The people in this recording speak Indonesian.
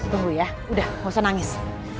tunggu ya udah gak usah nangis